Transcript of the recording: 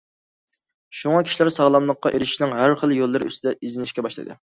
شۇڭا كىشىلەر ساغلاملىققا ئېرىشىشنىڭ ھەر خىل يوللىرى ئۈستىدە ئىزدىنىشكە باشلىدى.